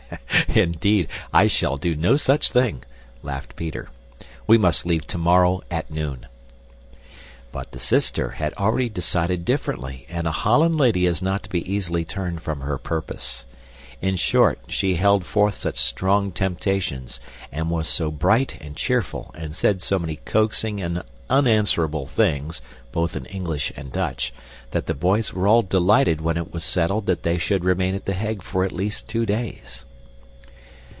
"Indeed, I shall do no such thing," laughed Peter. "We must leave tomorrow at noon." But the sister had already decided differently, and a Holland lady is not to be easily turned from her purpose. In short, she held forth such strong temptations and was so bright and cheerful and said so many coaxing and unanswerable things, both in English and Dutch, that the boys were all delighted when it was settled that they should remain at The Hague for at least two days.